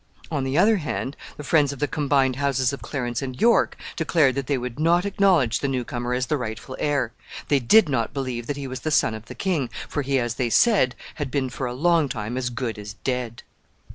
On the other hand, the friends of the combined houses of Clarence and York declared that they would not acknowledge the new comer as the rightful heir. They did not believe that he was the son of the king, for he, as they said, had been for a long time as good as dead.